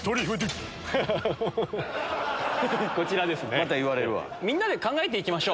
また言われるわ。